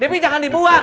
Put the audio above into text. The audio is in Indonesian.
debbie jangan dibuang